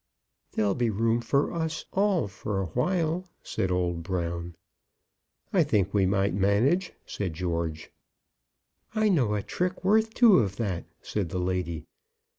"There'll be room for us all for awhile," said old Brown. "I think we might manage," said George. "I know a trick worth two of that," said the lady.